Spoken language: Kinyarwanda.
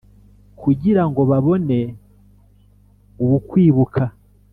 kugira ngo babone ubukwibuka.”